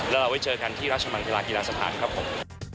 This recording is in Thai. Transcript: แล้วเราไปเจอกันที่ราชบังเทลาธีราศาสตร์ครับผม